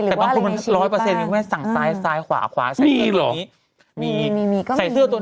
แต่บางคนมันร้อยเปอร์เซ็นต์สั่งซ้ายขวาใส่เสื้อตัวนี้